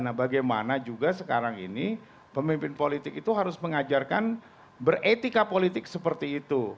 nah bagaimana juga sekarang ini pemimpin politik itu harus mengajarkan beretika politik seperti itu